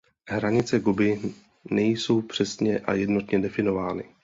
Hranice Gobi nejsou přesně a jednotně definovány.